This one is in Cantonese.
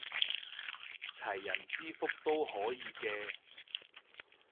齊人之福都可以嘅